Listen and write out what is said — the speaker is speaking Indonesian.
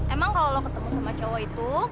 emang kalau lo ketemu sama cowok itu